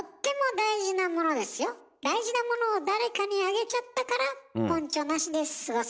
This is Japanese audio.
大事なものを誰かにあげちゃったからポンチョなしで過ごすんです。